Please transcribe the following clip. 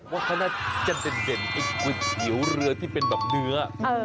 ว่าเขาน่าจะเด่นไอ้ก๋วยเตี๋ยวเรือที่เป็นแบบเนื้อ